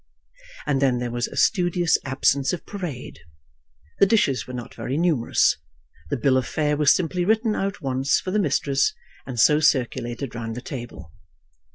And then there was a studious absence of parade. The dishes were not very numerous. The bill of fare was simply written out once, for the mistress, and so circulated round the table.